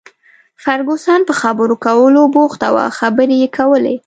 فرګوسن په خبرو کولو بوخته وه، خبرې یې کولې.